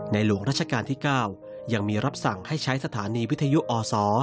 หลวงราชการที่๙ยังมีรับสั่งให้ใช้สถานีวิทยุอศ